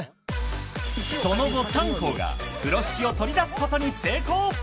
その後３校が風呂敷を取り出すことに成功！